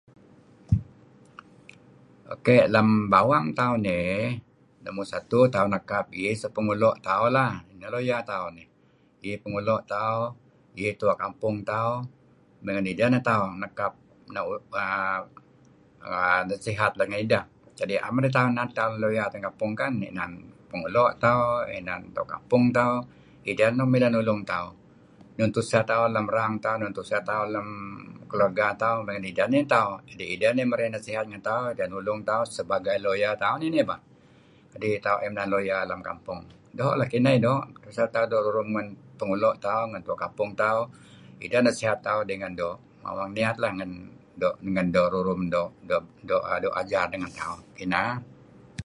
Keyh lem bawang tauh nih numur satu tauh nekap iih suk Pengulo' tauh lah. Iyeh kuh Lawyer tauh nih. Iih Pengulo' tauh. Iih Tua Kampong tauh may ngen ideh neh tauh nekap uhm nasihat lat ngen ideh. Kadi' naem man lawyer inan tauh ngi kampong kan? Inan Tua' Kampung tauh. Ideh nuk mileh nulung tauh, ngen tuseh tauh, enun tuseh lem erang tauh ngen tuseh tauh, lem keluarga tauh may ngen ideh nih tauh kadi' ideh marey nasihat ngen tauh ideh nulung tauh sebagai lawyer tauh nih bah. Kadi' tauh inan Lawyer lem kampong. Doo' neh kineh doo' asal tauh doo' rurum ngen Tua' Kampong tauh, ideh nasihat tauh dengen doo'. Mawang niat ngen doo' rurum. Doo' ajar deh ngen tauh kineh.